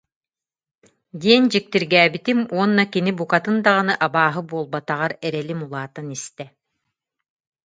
диэн дьиктиргээбитим уонна кини букатын даҕаны абааһы буолбатаҕар эрэлим улаатан истэ